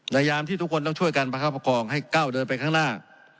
ยามที่ทุกคนต้องช่วยกันประคับประคองให้ก้าวเดินไปข้างหน้า